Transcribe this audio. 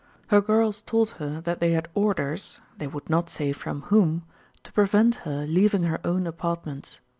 Her girls told her that they had orders they would not say from whom to prevent her leaving her own apartments.